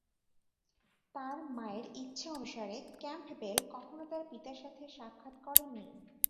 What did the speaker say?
তার মায়ের ইচ্ছানুসারে ক্যাম্পবেল কখনো তার পিতার সাথে সাক্ষাৎ করেননি।